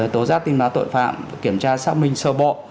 tố giác tin báo tội phạm kiểm tra xác minh sơ bộ